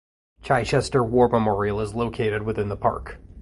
Chichester War Memorial is located within the park.